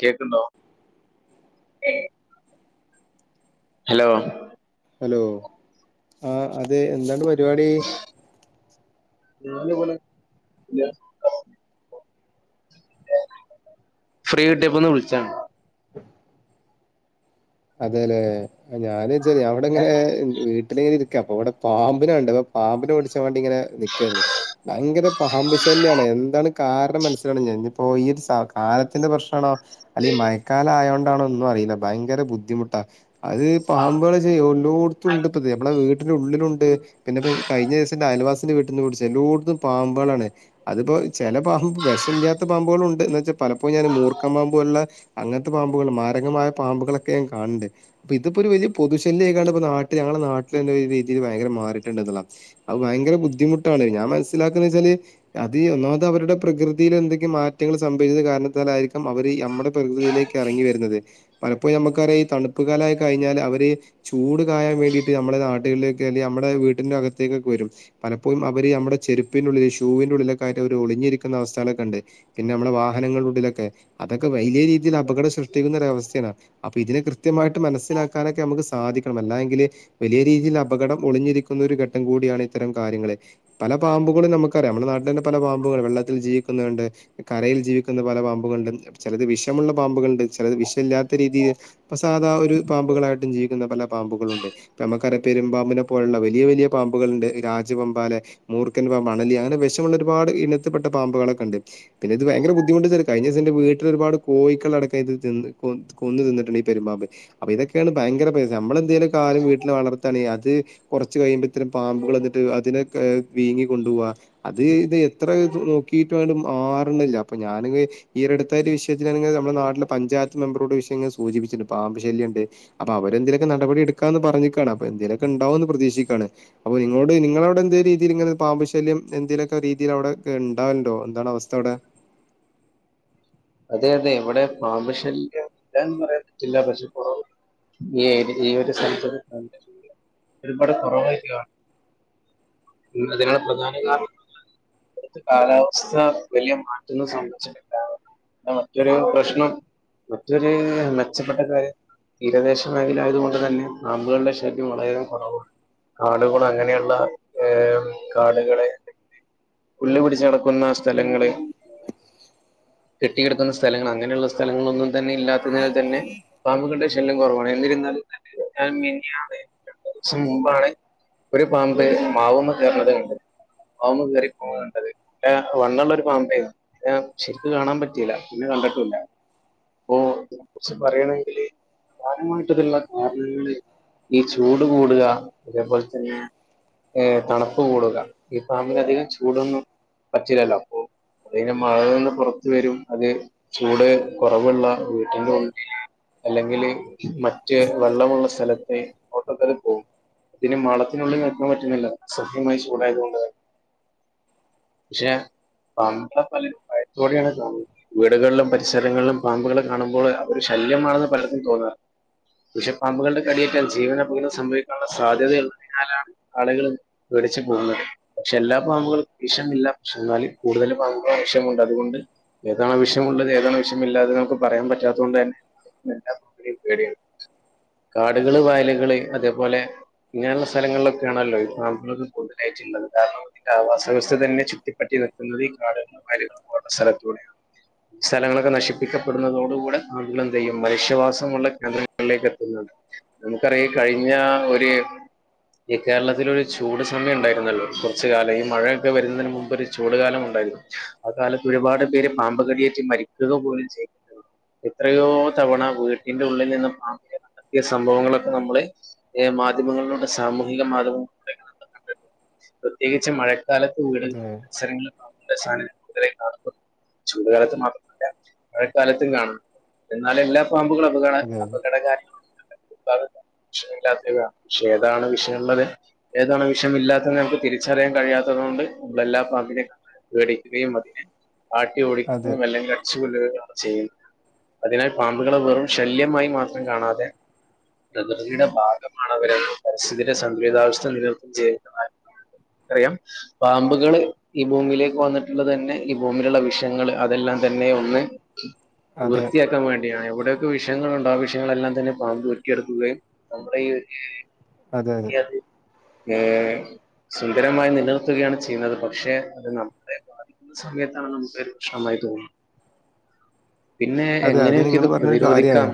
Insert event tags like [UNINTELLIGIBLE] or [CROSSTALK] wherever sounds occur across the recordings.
കേക്ക്‌ണ്ടോ hello hello ആ അതെഎന്താണ്പരുപാടി ഞാന് ഇവടെ ഞ്ഞാ [INAUDIBLE] ഫ്രീകിട്ടിയപ്പോ ഒന്ന് വിളിച്ചാണ്. അതെലേ ഞാൻച്ച ഞാവിടെങ്ങനെ വീ ട്ടിലിങ്ങനെരിക്ക അപ്പവടെപാമ്പിനെകണ്ടു പാമ്പിനെഓട്ച് ക്കാൻ വാണ്ടിങ്ങനെ നിക്കര്ന്ന് ഭയങ്കരെ പാമ്പ്ശല്യണ് എന്താണ് കാരണംമനസ്സിലാണ്ല്ല ഞ്ഞിപ്പോ ഈഒര് സ കാലത്തിന്റെ പ്രശ്നാണോ അല്ലെയ് മയക്കാലായോ ണ്ടാണോ ഒന്നുംഅറീല ഭയങ്കര ബുദ്ധിമുട്ടാ അത്പാമ്പൾച്ച എല്ലോടുത്തുണ്ട്പ്പത് ഞമ്മളെ വീ ട്ട്ന് ഉള്ളിലുണ്ട് പിന്നെപ്പേ കഴിഞ്ഞ ദിവസന്റെ ആയൽവാസിന്റെ വീ ട്ട്ന്ന്പിടിച്ച് എല്ലോട്ത്തും പാമ്പാളാണ് അതിപ്പോ ചെലപാമ്പ് വിഷല്ലാത്ത പാമ്പുളുണ്ട് ന്ന് വെച്ച പലപ്പോയും ഞാന് മൂർക്കപാമ്പ്പോലുള്ള അങ്ങൻത്തെ പാമ്പുകൾ മാരകമായ പാമ്പുകളൊക്കെ ഞാൻകാണണ്ട്. ഇപ്പ ഇതിപ്പൊരു വല്യ പൊതുശല്യയിക്കാണ്ട് നാട്ടില് ഞങ്ങളുടെ നാട്ടിൽ രീതിൽ ഭയങ്കര മാറിയിട്ടുണ്ട് എന്നുള്ളതാ അത് ഭയങ്കര ബുദ്ധിമുട്ടാണ് ഞാൻ മനസ്സിലാക്കന്ന് വെച്ചാല് അത് ഒന്നാമത് അവരുടെ പ്രകൃതിയിലെന്തൊക്കെ മാറ്റങ്ങൾ സംഭവിച്ചത് കാരണത്താലായിരിക്കും അവര് നമ്മുടെ പ്രകൃതിയിലേക്ക് ഇറങ്ങി വരുന്നത് ഇപ്പൊ നമുക്കറിയാം ഈ തണുപ്പ് കാലായി കഴിഞ്ഞാല് അവര് ചൂട് കായാൻ വേണ്ടിയിട്ട് നമ്മുടെ നാട്ടുകളിലേക്ക് അല്ലെങ്കി നമ്മുടെ വീട്ടിന്റെ അകത്തേക്കൊക്കെ വരും പലപ്പോഴും അവര് നമ്മടെ ചെരുപ്പിന്റെ ഉള്ളില് ഷൂവിന്റെ ഉള്ളിലൊക്കായിട്ട് അവര് ഒളിഞ്ഞിരിക്കുന്ന അവസ്ഥകളൊക്കെണ്ട് പിന്നെ നമ്മളെ വാഹനങ്ങളുടെ ഉള്ളിലൊക്കെ അതൊക്കെ വലിയ രീതിയിൽ അപകടം സൃഷ്ടിക്കുന്ന ഒരവസ്ഥയാണ് ഇതിനെ കൃത്യമായിട്ട് മനസ്സിലാക്കാനൊക്കെ നമുക്ക് സാധിക്കണം അല്ലായെങ്കില് വലിയ രീതിയിൽ അപകടം ഒളിഞ്ഞിരിക്കുന്ന ഒരു ഘട്ടംകൂടിയാണ് ഇത്തരംകാര്യങ്ങള് പല പാമ്പുകളും നമുക്കറിയാം നമ്മുടെ നാട്ടിലെന്നെ പല പാമ്പുകൾ വെള്ളത്തിൽ ജീവിക്കുന്നവയുണ്ട് കരയിൽ ജീവിക്കുന്ന പല പാമ്പുകളുണ്ട് ചിലത് വിഷമുള്ള പാമ്പുകളുണ്ട് ചിലത് വിഷമില്ല ല്ലാത്ത രീതി ഇപ്പ സാധാ ഒരു പാമ്പുകളായിട്ടും ജീവിക്കുന്ന പല പാമ്പുകളുണ്ട് ഇപ്പമ്മക്കറിയ പെരുമ്പാമ്പിനെ പോലുള്ള വലിയ വലിയ പാമ്പുകളുണ്ട് രാജവെമ്പാല മൂർക്കൻപാമ്പ് അണലി അങ്ങനെ വിഷമുള്ള ഒരുപാട് ഇനം ത്ത്പ്പെട്ടാ പാമ്പുകളക്കെണ്ട് പിന്നെ ഇത് ഭയങ്ക ബുദ്ധിമുട്ട് കഴിഞ്ഞ ദിവസെൻ്റെ വീട്ടിലൊരുപാട് കോഴിക്കളെ അടക്കം ഇത് തിന്ന് കൊ കൊന്നു തിന്നിട്ടുണ്ട് ഈ പെരുമ്പാമ്പ് അപ്പൊ ഇതൊക്കേണ് ഭയങ്കര പെസ നമ്മളെന്തേലും കാര്യം വീട്ടില് വളർത്താണെങ്കിൽ അത് കുറച്ച് കഴിയമ്പത്തിനും പാമ്പുകൾ എന്നിട്ട് അതിനെ വീങ്ങികൊണ്ടുപോവാ അത് ഇത് എത്ര നോക്കിട്ടു അങ്കട് മാറണില്ല അപ്പൊ ഞാന- ഈ ഒരു അടുത്തായി ഒരു വിഷയത്തില് ആണെങ്കില് നമ്മുടെ നാട്ടിലെ പഞ്ചായത്ത് മെമ്പറോട് വിഷയങ്ങൾ സൂചിപ്പിച്ചിട്ടുണ്ട് പാമ്പു ശല്യണ്ട് അപ്പൊ അവര് എന്തേലൊക്കെ നടപടി എടുക്കാന്ന് പറഞ്ഞിക്കാണ് അപ്പ എന്തെലൊക്കെ ഉണ്ടാവുന്ന് പ്രതീക്ഷിക്കാണ് അപ്പൊ നിങ്ങളോട് നിങ്ങളവിടെ എന്തേ രീതില്ങ്ങനെ ഒരു പാമ്പുശല്യം എന്തേലൊക്കെ രീതിയിൽ അവിടെ ഉണ്ടാവൽണ്ടോ എന്താണ് അവസ്ഥ അവിടെ അതെ അതെ ഇവിടെ പാമ്പുശല്യം ഇല്ലാന്ന് പറയത്തില്ല പക്ഷെ കുറവാ ഈ ഈ ഒരു സ്ഥത്ത് പാമ്പിന്റെശല്യം ഒരുപാട് കുറവായിരിക്കാണ് ഇന്ന് അതിന്ള്ള പ്രധാനകാരണം ഇപ്പയ്ത്തെ കാലാവസ്ഥ വലിയ മാറ്റങ്ങൾ സംഭവിച്ചിട്ടില്ല മറ്റൊരു പ്രശ്നം മറ്റൊരു മെച്ചപ്പെട്ട കാര്യം തീരദേശ മേഖല ആയതുകൊണ്ട്തന്നെ പാമ്പുകളുടെ ശല്യം വളരെയികംകുറവ കാടുകള് അങ്ങനെയുള്ള ഏ കാടുകളെ പുല്ലു പിടിച്ച് കെടക്കുന്ന സ്ഥലങ്ങള് കെട്ടിക്കിടക്കുന്ന സ്ഥലങ്ങൾ അങ്ങനെയുള്ള സ്ഥലങ്ങളൊന്നുംതന്നെ ഇല്ലാത്തതിനാൽതന്നെ പാമ്പുകളുടെ ശല്യം കുറവാണ് എന്നിരുന്നാലും ഞാൻ മിനിഞാന് രണ്ടു ദിവസം മുമ്പാണ് ഒരു പാമ്പ് മാവുമ്മെ കേറ്ന്നത് കണ്ട് പാമ്പ് കേറി പോണത് കണ്ടത് പിന്ന വണ്ണള്ളൊര് പാമ്പെര്ന്നു പിന്ന ശരിക്ക് കാണാൻ പറ്റ- പിന്നെ കണ്ട്ട്ടൂല്ല. പ്പോ ഇതിനെ കുറ്ച്ച് പറയാണെങ്കില് [INAUDIBLE] പ്രധാനമായിട്ടുള്ള കാരണങ്ങള് ഈ ചൂട് കൂടുക അതേപോലെ തന്നെ ഏഹ് തണുപ്പ് കൂടുക. ഈ പാമ്പിന് അധികം ചൂടൊന്നും പറ്റിലലൊ അപ്പൊ അ മഴ നിന്നാ പുറത്ത് വരും അത് ചൂട് കൊറവ്ള്ള വീട്ടിന്റെ ഉള്ളില് അല്ലെങ്കില് മറ്റ് വെള്ളമുള്ള സ്ഥലത്ത് ഒപ്പത്തിന് പോകും ഇതിന് മളത്തിനുള്ളിൽ നിക്കാൻ പറ്റുന്നില്ല സഹ്യമായ ചൂടായതുകൊണ്ട് തന്നെ പക്ഷെ പാമ്പ പലരും ഭയത്തോടെയാണ് കാണുന്നത് വീടുകളിലും പരിസരങ്ങളിലും പാമ്പുകളെ കാണുമ്പോൾ അവര് ശല്യമാണെന്ന് പലർക്കും തോന്നാറുണ്ട് വിഷ പാമ്പുകള്ടെ കടിയേറ്റാൽ ജീവന് അപകടം സംഭവിക്കാനുള്ള സാധ്യത ഉള്ളതിനാലാണ് ആളുകള് പേടിച്ച് പോവ്ന്നത് പഷെ എല്ലാ പാമ്പ്കളും വിഷമില്ല പക്ഷെ എന്നാല് കൂടുതല് പാമ്പും വെഷമുണ്ട് അതുകൊണ്ട് ഏതാണ് വിഷമുള്ളത് ഏതാണ് വിഷമില്ലാത്തത് നമുക്ക് പറയാൻ പറ്റാത്തത് കൊണ്ട് തന്നെ [UNINTELLIGIBLE] പേടിയാണ് കാടുകള് വഴലുകള് അതേപോലെ ഇങ്ങനെള്ള സ്ഥലങ്ങളിലൊക്ക ആണല്ലൊ ഈ പാമ്പ്കള് കൂട്തലായിട്ട്ള്ളത് കാര്ണം ന്റെ ആവാസ വ്യവസ്ഥ തന്നെ ചുത്തിപ്പറ്റി നിത്തുന്നത് ഈ കാടുകളും വയലുകളള്ള സ്ഥലത്തൂടെയാണ്. സ്ഥലങ്ങളൊക്ക നശിപ്പിക്കപ്പെടുന്നതോടുകൂടെ ആളുകൾ എന്തേയ്യും മനഷ്യവാസമുള്ള കേന്ദ്രങ്ങളിലേക്ക് എത്തുന്നത് നമുക്കറിയ കഴിഞ്ഞാ ഒര് ഈ കേരളത്തിലൊര് ചൂട് സമയം ഇണ്ടായിര്ന്നല്ലൊ കൊറ്ച്ച് കാലം ഈ മഴയൊക്ക വരുന്നതിന് മുമ്പ് ഒരു ചൂട് കാലം ഉണ്ടായിരുന്നു ആഹ് കാലത്ത് ഒരുപാട് പേര് പാമ്പ് കടിയേറ്റ് മരിക്കുക പോലും ചെയ്ണ്ട് എത്രയോ തവണ വീട്ടിന്റെ ഉള്ളിൽ നിന്ന് പാമ്പ്നെ കണ്ടെത്തിയ സംഭവങ്ങളൊക്കെ നമ്മള് മാധ്യമങ്ങളിലൂടെ സാമൂഹിക മാധ്യമങ്ങളിലൂടെ കണ്ട് പ്രത്യേകിച്ച് മഴക്കാലത്ത് വീട് അതെ [UNINTELLIGIBLE] ചൂണ്ടുകാലത്ത് മാത്രല്ല മഴക്കാലത്തും കാണുന്നു എന്നാൽ എല്ലാം പാമ്പുകൾ അപകട അതെ അപകട കാര്യ [UNINTELLIGIBLE] വിഷയല്ലാത്തത് ഏത. പക്ഷേ ഏതാണ് വിഷയള്ളത്. ഏതാണ വിഷമില്ലാത്തത് നമുക്ക് തിരിറിയൻ കഴിയാത്തതോണ്ട്, [UNINTELLIGIBLE] വേടിക്കുകയും അതിനെ ആട്ടി അതെ ഓടിക്കും അല്ലെങ്കിൽ [UNINTELLIGIBLE] അതിനാൽ പാമ്പുകളെ വെറും ശല്യമായി മാത്രം കാണാതെ.. പ്രകൃതിയുടെ ഭാഗമാണ് അവര് പരിസ്ഥിതി സന്തുലിതാവസ്ഥ നിലനിർത്തു ചെയുന്ന അറിയാം പാമ്പുകള് ഈ ഭൂമിയിലേക്ക് വന്നിട്ടുള്ളതെന്നെ ഈ ഭൂമിയില്ള്ള വിഷയങ്ങള് അതെല്ലാം തന്നെ ഒന്ന് അതെ വൃത്തിയാക്കാൻ വേണ്ടി എവിടെയൊക്ക വിഷയങ്ങളുണ്ടൊ ആഹ് വിഷയങ്ങളെല്ലാം തന്നെ പമ്പൂറ്റിയെടുക്കുകയും നമ്മുടെ ഈ അതെ അതെ [UNINTELLIGIBLE] ഏഹ് സുന്ദരമായി നിലനിർത്തുകയാണ് ചെയ്യുന്നത് പക്ഷെ അത് നമ്മളെ ബാധിക്കുന്ന സമയത്ത് [UNINTELLIGIBLE] തോന്നും പിന്നെ അതെ അത് എങ്ങനെയൊക്കെ ഇത് നിങ്ങള് പറഞ്ഞൊരു കാര്യാണ് പ്രതിരോധിക്കാം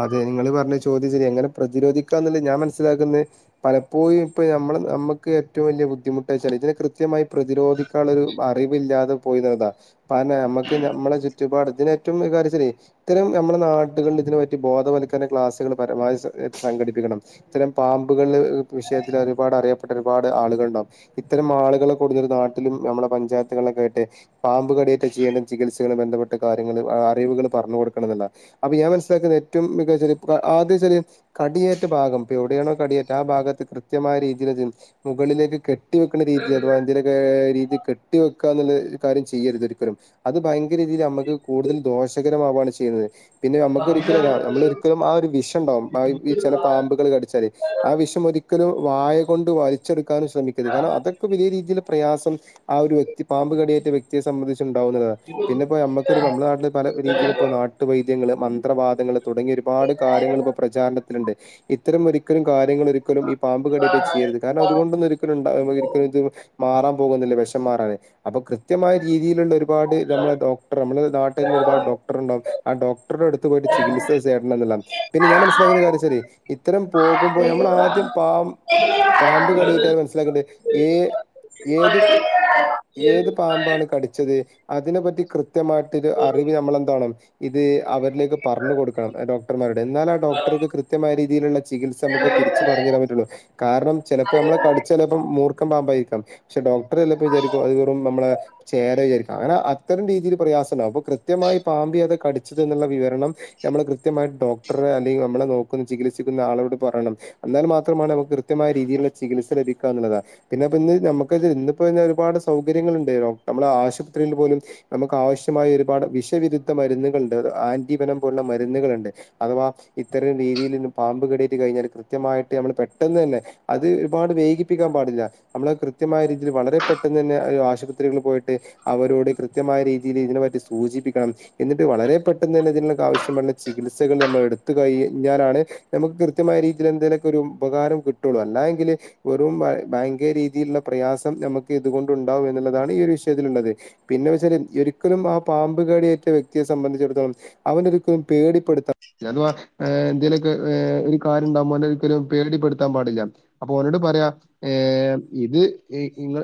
അതെ നിങ്ങള് പറഞ്ഞ ചോദ്യം ശെരി എങ്ങനെ പ്രതിരോധിക്കാന്ന്ള്ള ഞാൻ മനസ്സിലാക്ക്ന്നെ പലപ്പോഴും ഇപ്പ ഞമ്മള് ഞമ്മക്ക് ഏറ്റവും വലിയ ബുദ്ധിമുട്ട് ച്ചാല് ഇതിനെ കൃത്യമായി പ്രതിരോധിക്ക ക്കാള്ളൊരു അറിവില്ലാതെ പോയിന്ന്ള്ളതാ പന, നമ്മക്ക് നമ്മളെ ചുറ്റുപാട് തിന് ഏറ്റവും കാര്യം സരി.... ത്തരം നമ്മളെ നാട്ടുകളി തിന് പ ഈ ബോധവൽക്കരണ ക്ലാസ്സ്കള് പരമാവതി ഏഹ് സംഘടിപ്പിക്കണം ഇത്തരം പാമ്പുകൾല് വിഷയത്തില് ഒരുപാട് അറിയപ്പെട്ട ഒരുപാട് ആള്കള്ണ്ടാവും ഇത്തരം ആള്കളെ കൂടുതല് നാട്ടിലും നമ്മുടെ പഞ്ചായത്ത്കൾലൊക്കായിട്ടെ പാമ്പ് കടിയേറ്റ ചിയ്യേണ്ട ചികിത്സകള് ബന്ധപ്പെട്ട കാര്യങ്ങള് അറിവ്കള് പറഞ്ഞു കൊട്ക്കണ ന്നർഞ അപ്പൊ ഞാൻ മനസ്സിലാക്ക്ന്ന ഏറ്റവും മികച്ച ആദ്യച്ചാല് കടിയേറ്റ ഭാഗം ഇപ എവിടെയാണോ കടിയേറ്റ ആഹ് ഭാഗത്ത് കൃത്യമായ രീതിയിലത് മുകളിലേക്ക് കെ കെട്ടി വെക്കുന്ന രീതി അഥവാ എന്തേലൊക ഏഹ് രീതി കെട്ടിവെക്ക എന്നുള്ള കാര്യം ചിയ്യരുത് ഒരിക്കലും അത് ഭയങ്കര രീതില് ഞമ്മക്ക് കൂടുതല് ദോഷകരമാവാണ് ചിയ്യ്ന്നത് പിന്നെ ഞമ്മക്കൊര് ഒരിക്കല് ഒരാൾ നമ്മൾ ഒരിക്കലും ആഹ് ഒര് വിഷംണ്ടാവും ഈ ചെല പാമ്പ്കള് കട്ച്ചാല് ആഹ് വിഷം ഒരിക്ക ഒരിക്കലും വായ കൊണ്ട് വലിച്ചെട്ക്കാനും ശ്രമിക്കരുത് കാര്ണം അതൊക്കെ വലിയ രീതിയില് പ്രയാസം ആഹ് ഒര് വ്യക്തി പാമ്പ് കടിയേറ്റ വ്യക്തിയെ സംബന്ധിച്ച് ഇണ്ടാവുന്നതാണ് പിന്നെപ്പൊ ഞമ്മക്കൊരു ഞമ്മ്ളെ നാട്ടില് പല രീതിയില് ഇപ്പൊ നാട്ടു വൈദ്യങ്ങള് മ മത്രവാദങ്ങള് തൊടങ്ങി ഒരുപാട് കാര്യങ്ങള് ഇപ്പൊ പ്രചാർണത്തിലുണ്ട് ഇത്തരം ഒരിക്കലും കാര്യങ്ങള് ഒരിക്കലും ഈ പാമ്പ് കടിയേറ്റ ചിയ്യരുത് കാര്ണം അതുകൊണ്ടൊന്നും ഒരിക്കലും ഇണ്ട ഒരിക്കലും ഇത് മാറാൻ പോകുന്നില്ല വിഷം മാറാന് അപ്പൊ കൃത്യമായ രീതിയില്ള്ള ഒരുപാട് ഞമ്മളെ ഡോക്ട്റ് നമ്മള് നാ മ ഒരുപാട് ഡോക്ട്റ് ഇണ്ടാവും ആഹ് ഡോക്ട്റ്ടെ അടുത്ത് പോയിട്ട് ചികിത്സ ചേര്ണം ന്ന്ള്ളാണ് പിന്നെ ഞാൻ മനസിലാക്കുന്ന കാര്യം ശെരി ഇത്തരം പോകുമ്പോൾ നമ്മൾ ആദ്യം പാ പാമ്പ് കടിയേറ്റ മനസ്സിലാക്കണ്ടത് ഏ ഏത് ഏത് പാമ്പാണ് കടിച്ചത് അതിനെ പറ്റി കൃ കൃത്യമായിട്ടൊരു അറിവ് നമ്മളെന്താണ് ഇത് അവരിലേക്ക് പറഞ്ഞു കൊടുക്കണം ഡോക്ടർമാരുട് എന്നാൽ ആ ഡോക്ടർക്ക് കൃത്യമായ രീതിയിലുള്ള ചികിത്സ നമുക്ക് തിരിച്ച് പറഞ്ഞു തരാൻ പറ്റുള്ളൂ കാരണം ചെലപ്പോ നമ്മളെ കടിച്ച ചെലപ്പോം മൂർക്കം പാമ്പരിക്കാം ക്ഷെ ഡോക്ടറെ എല്ലാ പ്പ വിചാരിക്കു അഹ് വെറും നമ്മളെ ചേരെ ചാരിക്കു അങ്ങനെ അത്തരം രീതീല് പ്രയാസണ്ടാവും അപ്പോ കൃ ത്യമായ് പാമ്പ് ഏത കടിച്ചത് ന്ന്ള്ള വിവരണം നമ്മള് കൃത്യമായിട്ട് ഡോക്ടറെ അല്ലെയ് നമ്മളെ നോക്കുന്ന ചികിത്സിക്കുന്ന ആളോട് പറയണം എന്നാൽ മാത്രമാണ് നമുക്ക് കൃത്യമായ രീതിയിലുള്ള ചികിത്സ ലഭിക്കാനുള്ളത പിന്നെ ഇപ്പ ഇന്ന് നമുക്ക് അത് ഇന്നിപ്പോ ഒരുപാട് സൗകര്യങ്ങളുണ്ടെയൊ നമ്മളെ ആശുപത്രിയിൽ പോലും നമുക്ക് ആവശ്യമായ ഒരുപാട് വിഷവിരുദ്ധ മരുന്നുകൾണ്ട് അത് ആന്റിപനം പോലുള്ള മരുന്നുകളുണ്ട്. അഥവാ ഇത്തരം രീതിയിൽ ഇന്ന് പാമ്പ് കെടിയേറ്റ് കഴിഞ്ഞാല് കൃത്യമായിട്ട് നമ്മള് പെട്ടെന്ന് അന്നെ അത് ഒര്പാട് വൈകിപ്പിക്കാൻ പാടില്ല നമ്മള് കൃത്യമായ രീതിയില് വളരെ പെട്ടെന്ന് തന്നെ അയ് ആശുപത്രികളിൽ പോയിട്ട് അവരോട് കൃത്യമായ രീതിയില് ഇതിനെ പറ്റി സൂചിപ്പിക്കണം എന്നിട്ട് വളരെ പെട്ടെന്ന് അന്നെ ഇതിന് ആവശ്യമുള്ള ചികിത്സകൾ നമ്മൾ എടുത്ത് കഴി-ഞ്ഞാലാണ് മ്മക്ക് കൃത്യമായ രീതിയില് എന്തേലൊക്കൊരു ഉപകാരം കിട്ടുള്ളൂ അല്ലായെങ്കില് ഒരു മ ഭയങ്കര രീതിയിലുള്ള പ്രയാസം നമുക്ക് ഇതുകൊണ്ട ഉണ്ടാവും എന്നുള്ളതാണ് ഈ ഒരു വിഷയത്തിലുള്ളത്. പിന്നേ വെച്ചാല് യൊരിക്കലും ആ പാമ്പുകടിയേറ്റ വ്യക്തിയെ സംബന്ധിച്ചിടത്തോളം അവനൊരിക്കലു പേടിപ്പെടുത്ത നിഅധുവ ഏ എന്തേലൊക്കെ ഏ ഒരു കാര്യണ്ടാവുമ്പൊ ഓനൊരിക്കലും പേടിപ്പെടുത്താൻ പാടില്ല. അപ്പൊ ഓലോട് പറയാ ഏം ഇത് ഇ ഇങ്ങൾ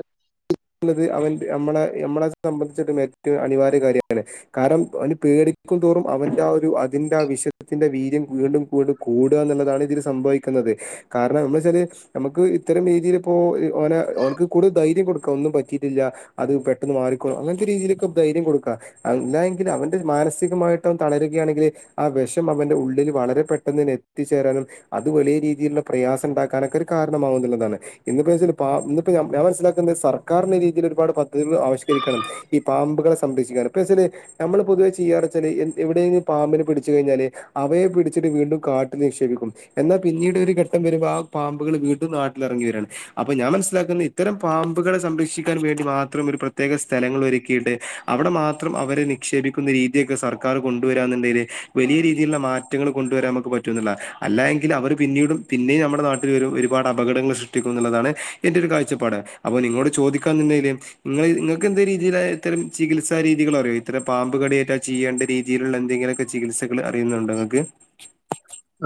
ന്നത് അവൻ യമ്മളെ യമ്മളെ സംബന്ധിച്ചിട്ടും ഏറ്റവും അനിവാര്യ കാര്യവാണ്. കാര്യം അവന് പേടിക്കും തോറും അവന്റെ ആ ഒരു അതിന്റെ ആ വിശ ത്തിന്റെ വീര്യം വീണ്ടും വീണ്ടും കൂടുക എന്നുള്ളതാണ് ഇതില് സംഭവിക്കുന്നത്. കാരണം എന്നുച്ചല് നമുക്ക് ഇത്തരം രീതീല് പ്പോ ഇ ഓന ഓൻക്ക് ഇക്കുടി ധൈര്യം കൊടുക്ക ഒന്നും പറ്റിയിട്ടില്ല്യാ അത് പെട്ടെന്ന് മാറിക്കോളും അങ്ങൻത്തെ രീതിയിലൊക്കെ ധൈര്യം കൊടുക്ക അല്ലഎങ്കില് അവൻ്റൊരു മാനസികമായി ത്തം തളരുകയാണെങ്കില് ആ വെഷം അവന്റെ ഉള്ളില് വളരെ പെട്ടെന്നെന്നെ എത്തിച്ചേരാനും അത് വലിയ രീതിലുള്ള പ്രയാസം ണ്ടാക്കാനൊക്കൊരു കാരണമാവുന്ന്ള്ളതാണ് ഇന്നിപ്പോ വച്ചാല് പ ഇന്നിപ്പൊ ഞം ഞാൻ മസ്സിലാക്കുന്ന സർക്കാർന്ന രീതിൽ ഒരുപാട് പദ്ധതികൾ ആവിഷ്ക്കരിക്കണം. ഈ പാമ്പുകളെ സംരക്ഷിക്കാണ് പ്പ വച്ചാല് നമ്മള് പൊതുവെ ചെയ്യാർ ച്ചല് എവിടെന്ന് പാമ്പിന് പിടിച്ചു കഴിഞ്ഞാല് അവയെ പിടിച്ചിട്ട് വീണ്ടും കാട്ടില് നിക്ഷേപിക്കും- എന്നാ പിന്നീട് ഒരു ഘട്ടം വരുമ്പോ ആ പാമ്പുകള് വീട്ടും നാട്ടിലറങ്ങി വരാണ് അപ്പൊ ഞാൻ മനസ്സിലാക്കുന്ന ഇത്തരം പാമ്പുകളെ സംരക്ഷിക്കാൻ വേണ്ടി മാത്രം ഒരു പ്രത്യേക സ്ഥലങ്ങൾ ഒരുക്കിയിട്ട്. അവിടെ മാത്രം അവരെ നിക്ഷേപിക്കുന്ന രീതിയൊക്കെ സർ ക്കാറ് കൊണ്ടുവരാന്ന്ണ്ടെയ്ല് വലിയ രീതിയിലുള്ള മാറ്റങ്ങള് കൊണ്ടുവരാ മ്മക്ക് പറ്റുന്ന്ള്ള അല്ല എങ്കിൽ അവര് പിന്നീടും പിന്നെയും നമ്മുടെ നാട്ടിൽ ഒരു ഒരുപാട് അപകടങ്ങൾ സൃഷ്ടിക്കും ന്നുള്ളതാണ് എന്റെ ഒരു കാഴ്ചപ്പാട് അപ്പൊ നിങ്ങളോട് ചോദിക്കാണ്ന്ന് ണ്ടേല്? ങ്ങൾ ങ്ങക്ക് എന്ത് രീതിയില ഇത്തരം ചികിത്സ രീതികൾ അറിയോ ഇത്രം പാമ്പ് കടിയായിറ്റാ ചെയ്യേണ്ടെ? രീതിയിലുള്ള എന്തെങ്കിലൊക്കെ ചികിത്സകള് അറിയുന്നുണ്ടോ ങ്ങക്ക്?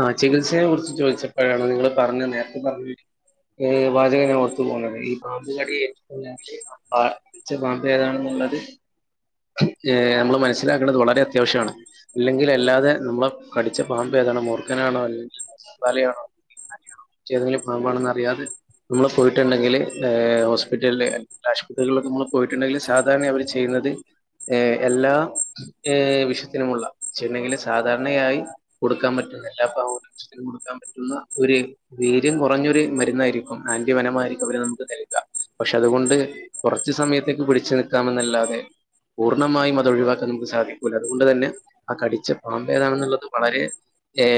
ആ ചികിത്സയെ കുറിച്ച് ചോയ്ച്ചപ്പഴാണ് നിങ്ങള് പറഞ്ഞ നേർത്തെ പർഞ്ഞ ഏ വാചകം ഞാൻ ഓർത്തു പോണത് ഈ പാമ്പ് കടിയേറ്റ് ഴിഞ്ഞാല് ആ പ കടിച്ച പാമ്പ് ഏതാണെന്നുള്ളത്- ഹ് ഏഹ് നമ്മള് മനസ്സിലാക്കണ്ടത് വളരെ അത്യാവശ്യാണ് ഇല്ലെങ്കിൽ അല്ലാതെ മ്മളെ കടിച്ച പാമ്പ് ഏതാണോ മുർക്കനാണോ അല്ലെ [UNINTELLIGIBLE] യാണോ? റ്റേതങ്കില് പാമ്പാണെന്നറിയാതെ മ്മള് പോയിട്ടുണ്ടെങ്കില് ഏഹ് ഹോസ്പിറ്റല്ല് [UNINTELLIGIBLE] ആശുപത്രികളിലൊക്കെ ങ്ങള് പോയിട്ടുണ്ടെങ്കില് സാധാരണയവര് ചെയ്യുന്നത് ഏ എല്ലാ ഏ വിഷത്തിനുമുള്ള ശെന്നങ്കില് സാധാർണയായി കൊടുക്കാൻ പറ്റുന്ന [UNINTELLIGIBLE] [UNINTELLIGIBLE] കൊടുക്കാൻ പറ്റുന്ന ഒരു വീര്യം കൊറഞ്ഞൊരു മരുന്നായിരിക്കും ആന്റിവനമായിരിക്കും അവര് നമുക്ക് തരിക. പക്ഷെ അതുകൊണ്ട് കുറച്ച സമയത്തേക്ക് പിടിച്ചു നിക്കാമെന്നല്ലാതെ പൂർണ്ണമായും അതൊഴിവാക്കാൻ നമുക്ക് സാധിക്കൂല അതുകൊണ്ട് തന്നെ ആ കടിച്ച പാമ്പ് ഏതാണെന്നുള്ളത് വളരെ ഏ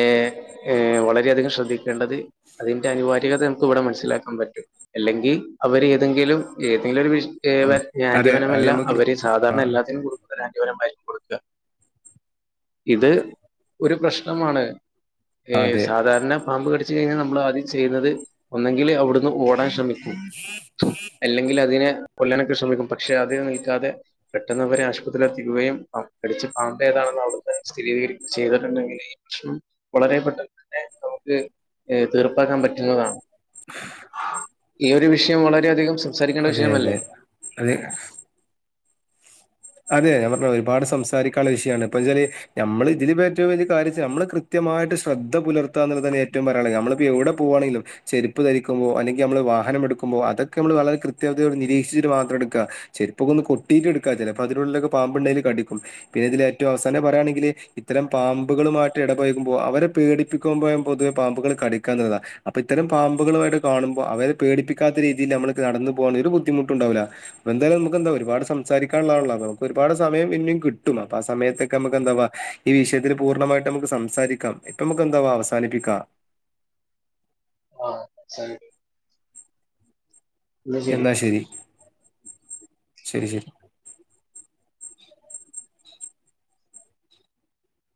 ഏ വളരെയധികം ശ്രദ്ധിക്കേണ്ടത് അതിന്റെ അനിവാരികത നമുക്ക് ഇവിടെ മനസ്സിലാക്കാൻ പറ്റും. അല്ലെങ്കി അവര് ഏതെങ്കിലും ഏതെങ്കിലൊരു വി ഏഹ് ആ വെ ഈഹ് ആന്റി അതെ അത് വനമല്ലാം നമുക്ക് അവര് സാധാരണ ആഹ് എല്ലാത്തിനും കൊടു ഒരാന്റിവനമായി കൊടുക്ക ഇത് ഒരു പ്രശ്നമാണ്. ഏഹ് അതെ സാധാരണ പാമ്പ് കടിച്ചു കഴിഞ്ഞാൽ നമ്മൾ അത് ചെയ്യുന്നത് ഒന്നെങ്കിൽ അവിടുന്ന് ഓടാൻ ശ്രമി അല്ലെങ്കിൽ അതിനെ കൊല്ലാനൊക്കെ ശ്രമിക്കും പക്ഷെ അതിന് നിൽക്കാതെ പെട്ടെന്നവരെ ആശുപത്രിയിലെത്തിക്കുകയും കടിച്ച പാമ്പ് ഏതാണെന്ന് അവിടുന്ന് സ്ഥിരീക ചെയ്തിട്ടുണ്ടെങ്കിൽ ഈ പ്രശ്നം വളരെ പെട്ടെന്ന് തന്നെ നമുക്ക് തീർപ്പാക്കാൻ പറ്റുന്നതാണ്. ഈ ഒരു വിഷയം വളരെയധികം ശ്ര അതെ അതെ അതെ അതെ ഞമ്മ ഒരുപാട് സംസാരിക്കാള്ള വിഷയാണ് ഇപ്പൊച്ചാല് നമ്മൾ ഇതില് ഇപ്പോ ഏറ്റവും വലിയ കാര്യച്ചാ നമ്മള് കൃത്യമായിട്ട് ശ്രദ്ധ പുലർത്താന്നുള്ള തന്നെ ഏറ്റവും പറയാള്ളത് നമ്മളിപ്പോ എവടെ പോവാണെലും ചെരുപ്പ്ധരിക്കുമ്പോ അല്ലെങ്കി നമ്മള് വാഹനം എടുക്കുമ്പോ അതൊക്കെ നമ്മള് വളരെ കൃത്യതോട് നിരീക്ഷിച്ചിട്ട് മാത്രം എടുക്ക. ചെരിപ്പൊക്ക ഒന്ന് കൊട്ടീട്ട് എടുക്കാ ചെലപ്പോ അതിനുള്ളിലൊക്കെ പാമ്പുണ്ടേൽ കടിക്കും. പിന്നെ ഇതില് ഏറ്റവും അവസാനം പറയാണെങ്കിൽ ഇത്തരം പാമ്പുകളുമായിട്ട് ഇടപയകുമ്പോ അവരെ പേടി പിക്കുമ്പോഴ പൊതുവെ പാമ്പുകള് കടിക്കാന്നതാ അപ്പൊ ഇത്തരം പാമ്പുകളുമായിട്ട് കാണുമ്പോ അവരെ പേടിപ്പിക്കാത്ത രീതിയിൽ നമ്മൾ കടന്ന് പോകാണെങ്കി ഒര് ബുദ്ധിമുട്ടുണ്ടാവുല്ല. എന്തായാലും നമുക്കെന്താ ഒരുപാട് സംസാരിക്ക ക്കാള്ളതൊള്ളൂ ഒരുപാട് സമയം പിന്നിം കിട്ടും അപ്പോ ആ സമയത്തൊക്കെ നമുക്ക് എന്താവാ ഈ വിഷയത്തിൽ പൂർണ്ണമായിട്ടമ്മക്ക് സം സാരിക്കാം ഇപ്പ നമുക്ക് എന്താവാ അവസാനിപ്പിക്കാം. ആഹ് ശരി എന്നാ ശരി ശരി ശരി